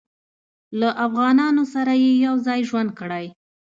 له افغانانو سره یې یو ځای ژوند کړی.